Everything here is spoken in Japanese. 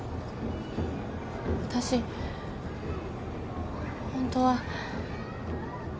私本当は。